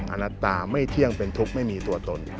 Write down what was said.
อันนี้จังทุกขังอาณาตาไม่เที่ยงเป็นทุกข์ไม่มีตัวตน